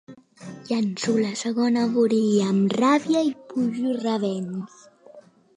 Llenço la segona burilla amb ràbia i pujo rabents.